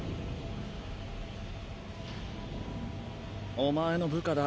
お前の部下だ。